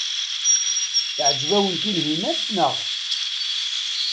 Teɛjeb-awen Tunhinan, naɣ?